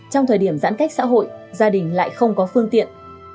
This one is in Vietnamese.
trong thời điểm giãn cách xã hội gia đình lại không có phương tiện